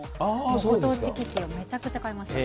ご当地キティをめちゃくちゃ買いました。